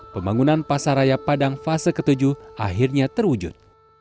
pembangunan pasaraya padang fase ke tujuh akhirnya terwujud